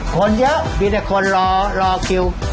คนเยอะมีแต่คนรอรอคิว